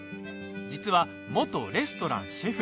実は、元レストランシェフ。